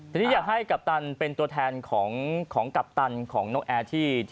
ทีนี้อยากให้กัปตันเป็นตัวแทนของกัปตันของนกแอร์ที่